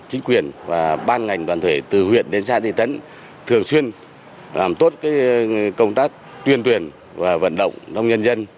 chính quyền và ban ngành đoàn thể từ huyện đến xã thị trấn thường xuyên làm tốt công tác tuyên truyền và vận động trong nhân dân